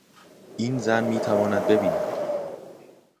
این زن میتواند ببیند.